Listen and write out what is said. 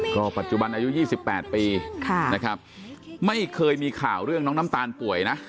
ก็ปัจจุบันอายุ๒๘ปีนะครับไม่เคยมีข่าวเรื่องน้องน้ำตาลป่วยนะ